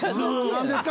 何ですか？